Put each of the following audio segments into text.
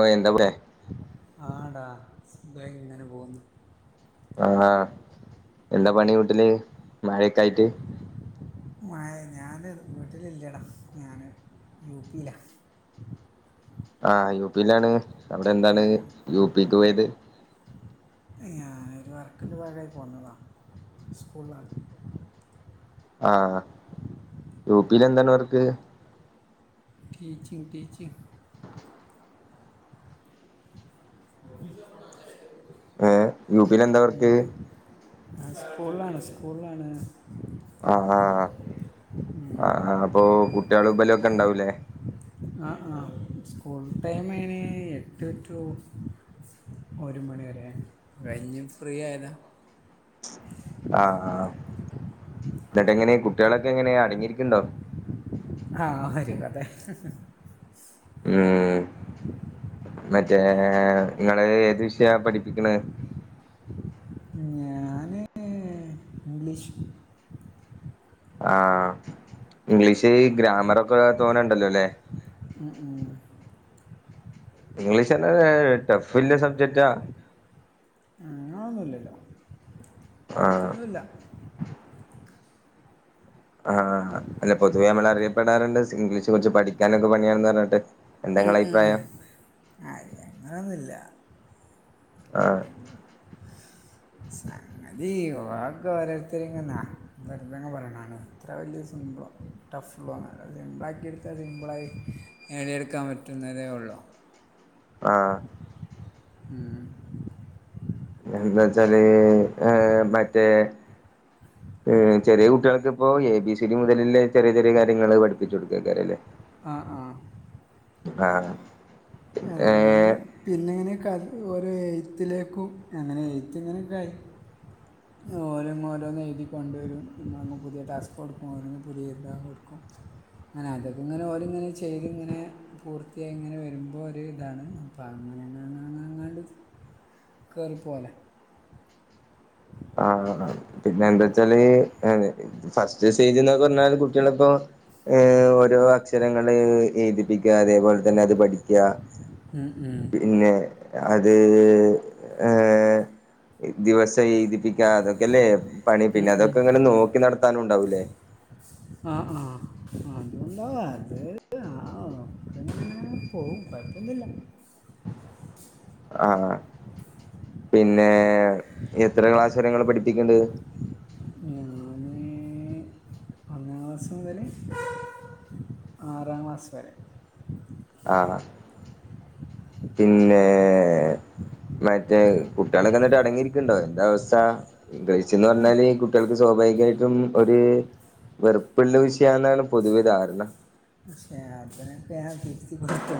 ഓഎന്താ പറയേ ആഹ് ഡാ സുഖായി ഇങ്ങനെ പോകുന്നു ആഹ എന്താ പണി വിട്ടല് മഴയൊക്കെ ആയിട്ട് മായെ ഞാന് വീട്ടിൽ ഇല്ലടാ ഞാൻ യുപിയിലാ ആഹ് യുപിയിലാണ് അവിടെ എന്താണ് യു പീക്ക് പോയത് ഞാനൊരു വർക്കിന്റെ ഭാഗമായി പോന്നതാ സ്കൂളിലാണ് ആഹ യുപിയിൽ എന്താണ് വർക്ക് ടീച്ചിംഗ് ടീച്ചിംഗ് [unintelligible] ഏയ് യുപിയിൽ എന്താ വർക്ക് സ്കൂളിലാണ് സ്കൂളിലാണ് ആഹ് ആഹ് അപ്പൊ കുട്ടികൾ ഇബലൊക്കെ ഉണ്ടാവുംല്ലേ ആഹ് ആഹ് സ്കൂൾ ടൈം അയിന് എട്ടെ ടു ഒരു മണിവരെ അത് കഴിഞ്ഞ് ഫ്രീ ആയതോ ആഹ് ആ എന്നിട്ട് എങ്ങനെ കുട്ടികളൊക്കെ എങ്ങനെയ അടങ്ങിയിരിക്കുന്നുണ്ടോ ആഹ് ഒരുകഥ ഉം മറ്റേ നിങ്ങള് ഏത് വിഷയാണ് പഠിപ്പിക്കണത് ഉം ഞാന് ഇംഗ്ലീഷ് ആഹ ഇംഗ്ലീഷ് ഗ്രാമറൊക്കെ തോനെണ്ടല്ലോ ല്ലേ ഉം ഉം ഇംഗ്ലീഷ്ന്നെ ഒരു ടഫ്ല്ല സബ്ജക്റ്റാ ആഹ് അങ്ങനൊന്നുല്ലല്ലോ ആഹ് ഇല്ല ആഹ് അല്ല പൊതുവേ നമ്മൾ അറിയപ്പെടാറുണ്ട് ഇംഗ്ലീഷ് കുറിച്ച് പഠിക്കാനൊക്കെ പണിയാണന്ന് പറഞ്ഞിട്ട് എന്താ ഉം നിങ്ങളെ ഉം അഭിപ്രായം അങ്ങനൊന്നുല്ല ആഹ് അതീ വാക്ക് ഓരോരുത്തരെങ്ങന്നാ വെറുതെങ്ങ പറയണാണ് ഇത്ര വല്യ സിമ്പളോന്നൂല ടഫ്ള്ള ഒന്നല്ല സിബ്ലാക്കിട്ത്താ സിബ്ലായി നേടിയെടുക്കാൻ പറ്റുന്നതേ ഉള്ളൂ [unintelligible] ആഹ് ഉം എന്താച്ചാല് ഏഹ് മറ്റേ ഉം ഏഹ് ചെറിയ കുട്ട്യാൾക്കപ്പോ എ ബി സി ഡി മുതലില്ലെ ചെറിയ ചെറിയ കാര്യങ്ങള് പഠിപ്പിച്ചു കൊടുക്കക്കാരല്ലേ ആഹ് ആഹ് ആഹ് അത് കഴിഞ്ഞ് ഏഹ് പിന്നെ ഇങ്ങനെയൊക്കെ ഓരെ എയ്ത്തിലേക്കും അങ്ങനെ എയ്ത്തി ഇങ്ങനെയൊക്കെ ആയി ഓരോങ് ഓരോ എഴുതി കൊണ്ടുവരും നമ്മ പുതിയ ടാസ്ക് കൊടുക്കും ഓരോന്ന് പുതിയത് എയ് താൻ കൊടുക്കും [inaudible] അങ്ങനെ അതൊക്കങ്ങനെ ഓല്ങ്ങനെ ചെയ്തിങ്ങനെ പൂർത്തിയായി ഇങ്ങനെ വരുമ്പോ ഒരു ഇതാണ് ഇപ്പ അങ്ങനെങ്ങ ങ്ങ അങ്ങാണ്ട് കേറിപ്പോലെ ആഹ് ആഹ് പിന്നെ അപ്പോൾ എന്താച്ചാല് ഫസ്റ്റ് റ്റ് സ്റ്റെജി ന്നോക്കെ പറഞ്ഞാൽ കുട്ടികളിപ്പോ ഓരോ ഏഹ് അക്ഷരങ്ങള് ഏയ്തിപ്പിക്ക അതേപോലെ തന്നെ അത് പഠിക്ക്യ ഉം ഉം പിന്നെ അത് ഏഹ് ദിവസയ് തിപ്പിക്ക അതൊക്കെല്ലേ പണി പിന്നെ അതൊക്കെങ്ങനെ നോക്കി നടത്താനുണ്ടാവൂല്ലേ ആഹ് ആഹ് അതുണ്ടാവും അത് ആഹ് അങ്ങനങ്ങനെ പോകും കുഴപ്പൊന്നുല്ല ആഹ് പിന്നെ എത്ര ക്ലാസ് വരങ്ങള് പഠിപ്പിക്ണ്ട് ഞാന് ഒന്നാ ക്ലാസ്സ് മുതൽ ആറാം ക്ലാസ് വരെ ആഹ് പിന്നേ മറ്റേ കുട്ടികളൊക്കെ ഇ ന്നിട്ട് അടങ്ങിയിരിക്കണ്ടോ എന്താ അവസ്ഥ ഇംഗ്ളീഷ്ന്ന് ആ പറഞ്ഞാല് കിട്ട്യാൾക്ക് സ്വാഭാവികയിട്ടും ഒരു വെറുപ്പുള്ള വിഷയെന്നാണ് പൊതുവെ ധാരണ പക്ഷേ അതിനക്ക ഞാൻ തിരുത്തി കൊടുത്തു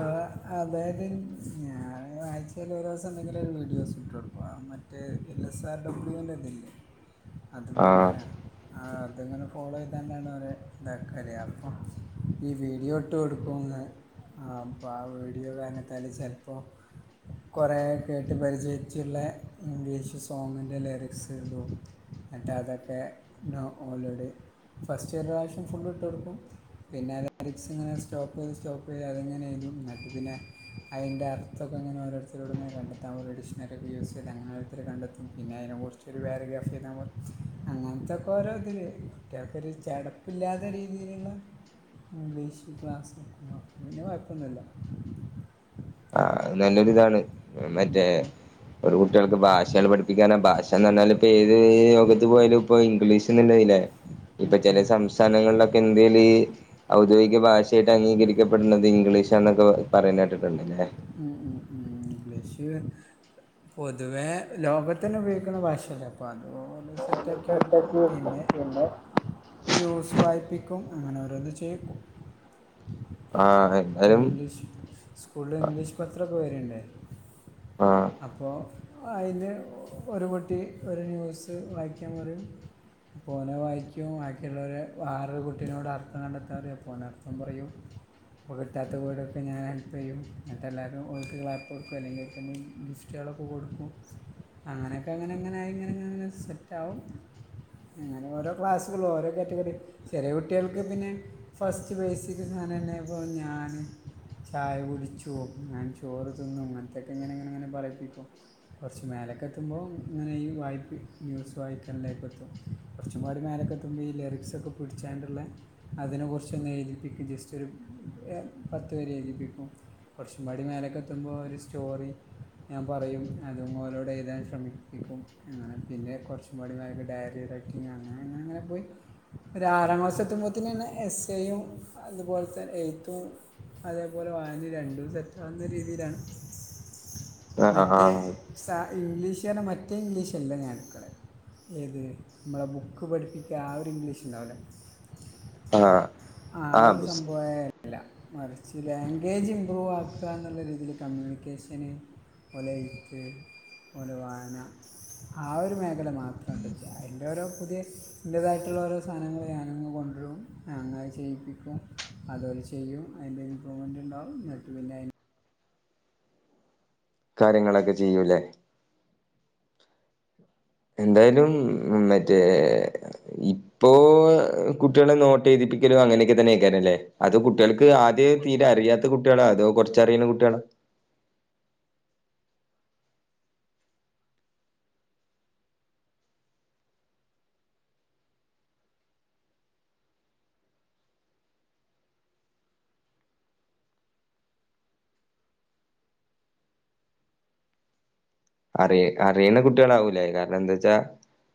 ഓഹ് അതായത് ഞാൻ ആയിച്ചീലോരോസം എന്തെങ്കിലും ഒരു വീഡിയോസ് ഇട്ട് കൊടുക്കോ മറ്റേ എൽ എസ് ആർ ഡബ്ല്യുന്റെല്ലെ അത് ആഹ് പ്രകാരം ആഹ് അതങ്ങനെ ഫോളോ ചെയ്താ തന്നാണ് ഇതക്കൽ അപ്പം ഈ വീഡിയോ ഇട്ട് കോടുക്കുന്ന് അപ്പ ആ വീഡിയോ കാരണത്താൽ ചെലപ്പോ കൊറെേ കേട്ട് പരിചയിച്ള്ള ഇംഗ്ലീഷ് സോങ്ങി്ന്റെ ലറിക്സ് ഇടും ഇന്നിട്ട്തൊക്കെ നാ ഓലോട് ഫസ്റ്റ് ഒരു പ്രാവശ്യം ഫുള്ള്ട്ട് കൊടുക്കും പിന്നെ ലെരിക്സ് ഇങ്ങനെ സ്റ്റോപ്പ് ചെയ്ത് സ്റ്റോപ്പ് ചെയ്ത് അത്ങ്ങനെ എയ്തും ന്ന്ട്ട് പിന്നെ അയ്ന്റെ അർത്ഥൊക്കെ ഇങ്ങനെ ഓരോട്ത്തരോടങ്ങനെ കണ്ടെത്താ ഒരു ഡിഷ്ണറി യൂസ് ചെയ്ത് അങ്ങനെ ഓരോരുത്തര് പിന്നെ അയ്നെ കുറിച്ച് ഒരു പേരാഗ്രാഫ് എയ്താ പറി അങ്ങനത്തൊക്കെ ഓരോ ഇതില് കൂട്ട്യാൾക്കൊരു ഒരു ചടപ്പില്ലാത്ത രീതിയിലുള്ള ഇംഗ്ലീഷ് ക്ലാസ്ക്കോ അതിന് കോഴപ്പന്നുല്ല അത് നല്ലൊരിതാണ് ഉം മറ്റേ ഒരു കുട്ട്യാൾക്ക് ഭാഷകൾ പഠിപ്പിക്കനാണ് ഭാഷന്ന് പറഞ്ഞാൽ ഇപ്പൊ ഏത് ലോകത്ത് പോയാലും ഇപ്പ ഇംഗ്ലീഷ്ന്നെ മെയിൻ ലെ ഇപ്പൊ ഉം ഉം. ചെല സംസ്ഥാനങ്ങളിലൊക്കെ ഇന്ത്യയില് ഔദ്യോഗിക ഭാഷയായിട്ട് അവര് ചോദിക്കുന്ന ത്അംഗീകരിക്കപ്പെടുന്നത് ഇംഗ്ലീഷ് ആന്നൊക്കെ പറയുന്ന കേട്ടിട്ടുണ്ട് അല്ലേ ഉം ഉം ഉം ലക്ഷ്യ പൊതുവേ ലോകത്തിന് ഉപയോഗിക്കുന്ന ഭാഷല്ലേ അപ്പൊ അതുപോലെ സെറ്റാക്കിെടുക്കും പിന്നെ ന്യൂസ് വായി്പിക്കും അങ്ങനെ ഓരോന്ന് ചെയ്യും ആഹ് എന്തായാലും ഇംഗ്ലീഷ് സ്കൂളില് ഇംഗ്ലീഷ് പത്രോക്കെ വര്ണ്ടാ ആഹ് അപ്പോൾ അതിന് ഒരു പൊട്ടി ഒരു ന്യൂസ് വായിക്കാൻ പറയും അപ്പൊ ഓന് അയ് വായിക്കും ബാക്കിയുള്ളവര് വേറൊരു കുട്ടിനോട് അർത്ഥം കണ്ടെത്താൻ പറയും അപ്പൊ ഓൻ അർത്ഥം പറയും. ഓല് കിട്ടാത്ത വേടൊക്കെ ഞാൻ ഹെല്പ്പ് ചെയ്യും എന്നിട്ടെല്ലാരും ഓർക്ക് ക്ലാപ്പ് കൊടുക്കും അല്ലെങ്കി [unintelligible] ഗിഫ്റ്റുകളൊക്കെ കൊടുക്കും അങ്ങനെയൊക്കെ അങ്ങനങ്ങനായി ഇങ്ങനങ്ങങ്ങെ സെറ്റാവും. അങ്ങനെ ഓരോ ക്ലാസ്സുകളും ഓരോ കാറ്റഗറി ചെറിയ കുട്ടികൾക്ക് പിന്നെ ഫസ്റ്റ് ബേസിക് ഇങ്ങനന്നെ ഇപ്പൊ ഞാൻ ചായ കുടിച് [unintelligible] ഞാൻ ചോറ് തിന്നും ഇങ്ങൻത്തൊക്കെ ഇങ്ങനിങ്ങനെ ഇങ്ങനെ പറയിപ്പിക്കു കൊറച്ച് മേലെക്ക് എത്തുമ്പോ ഇങ്ങനെ ഈ വായ്പി ന്യൂസ് വായ്ക്കലേക്ക് എത്തും കൊറച്ചും കൂടി മേലെക്കൊത്തുമ്പ് ഈ ലിറിക്സൊക്കെ പിടിച്ചാണ്ടിള്ള അതിനെ കുറിച്ചന്നെ എഴുതിപ്പിക്കും ജസ്റ്റ് ഒരു ഏഹ് പത്ത് പേരെ എഴുതിപ്പിക്കും. കുറച്ചുപാടി മേലെക്ക് എത്തുമ്പോ ഒരു സ്റ്റോറി ഞാൻ പറയും അത് ഓലോടെ എഴുതാൻ ശ്രമിപ്പിക്കും അങ്ങനെ പിന്നെ കൊറ പാടി [unintelligible] ഡയറി റൈറ്റിങ്ങാണ് അങ്ങനങ്ങനെ പോയി ഒരു ആറാം ക്ലാസ്സ് എത്തുമ്പോത്തനന്നെ എസ്സേയും അതുപോലത്തെ എഴുത്തും അതേപോലെ വായനയും രണ്ടും സെറ്റാകുന്ന രീതിയിലാണ് ആഹ് മറ്റേ ആഹ് സ ഇംഗ്ലീഷ് തന്നെ മറ്റേ ഇംഗ്ലീഷല്ല ഞാൻ എടുക്കണത് ഏത് ഇമ്മടെ ബുക്ക് പഠിപ്പിക്കാ ആ ഒരു ഇംഗ്ലീഷ് ഇണ്ടാവില്ലേ ആഹ് ആ ആഹ് ഒരു സംഭവേ അല്ല മറിച്ച് ലാംഗ്വേജ് ഇമ്പ്രൂവ് ആക് ക്കാന്നുള്ള രീതിയില് കമ്മ്യൂണിക്കേഷന് ഓലെ എഴുത്ത് ഓലെ വായന ആഹ് ഒരു മേഖല മാത്രം ആയിട്ടോക്ക്യാ ഇൻ്റെ ഓരോ പുതിയ ഇൻ്റേതായിട്ടുള്ള ഒരു സധനങ്ങള് ഞാനന്നെ കൊണ്ട്രും ഞങ്ങ അത് ചെയ്യിപ്പിക്കും. അതോല് ചെയ്യും അതിന്റെ ഇമ്പ്രൂവ്മെന്റ് ഇണ്ടാവും എന്നിട്ട് പിന്നെ അതി കാര്യങ്ങളൊക്കെ ചെയ്യൂലേ എന്തായാലും മറ്റേ ഈ ഇപ്പോ കുട്ടികളെ നോട്ട് എഴുതിപ്പിക്കലും അങ്ങനെ തന്നെ ഐക്കാരം ലേ അത് കുട്ടികൾക്ക് ആദ്യയായി തീരെ അറിയാത് ത്ത കുട്ടികളാ അതോ കൊറച്ചറിയണ കുട്ടികളാ? അറിയ അറിയണ കുട്ടികളാവൂലേ കാരണം എന്താച്ചാ